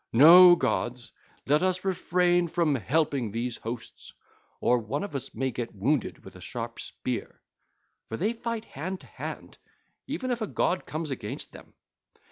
No, gods, let us refrain from helping these hosts, or one of us may get wounded with a sharp spear; for they fight hand to hand, even if a god comes against them.